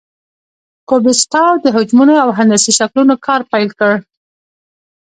کوبیسټاو د حجمونو او هندسي شکلونو کار پیل کړ.